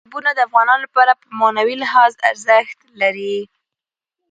سیلابونه د افغانانو لپاره په معنوي لحاظ ارزښت لري.